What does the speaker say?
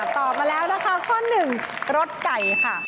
ตอบมาแล้วนะคะข้อหนึ่งรสไก่ค่ะ